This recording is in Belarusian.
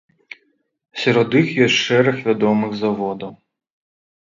Сярод іх ёсць шэраг вядомых заводаў.